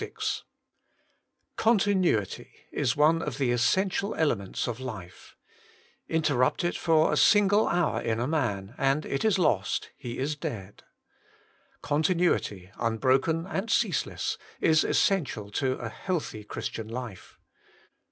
c (OMLN Liil is one of the essential elements of life, Inteirupt it for a single horn in a man, and it is lost, he is dead. Continnity, Tin Ixoken and ceaseless, is essential to a healthy Quktian life.